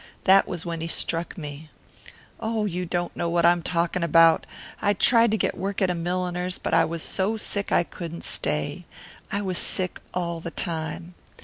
That was when he struck me.... Oh, you don't know what I'm talking about yet!... I tried to get work at a milliner's, but I was so sick I couldn't stay. I was sick all the time.